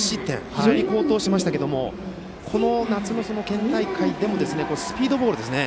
非常に好投しましたがこの夏の県大会でもスピードボールですね。